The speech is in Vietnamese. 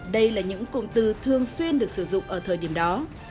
đây là những cụm từ thường xuyên được sử dụng ở thời điểm đó